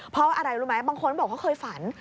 เพราะอะไรรู้ไหมบางคนบอกเขาเคยฝัน